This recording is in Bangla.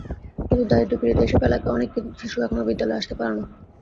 কিন্তু দারিদ্র্যপীড়িত এসব এলাকার অনেক শিশু এখনো বিদ্যালয়ে আসতে পারে না।